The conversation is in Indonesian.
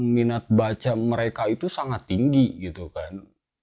minat baca mereka itu sangat tinggi gitu kan